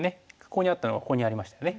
ここにあったのがここにありましたね。